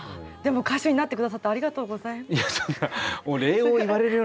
でも歌手になって下さってありがとうございます。